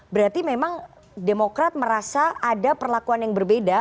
berarti memang demokrat merasa ada perlakuan yang berbeda